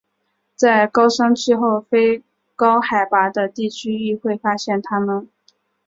在高山气候非高海拔的地区亦会发现它们。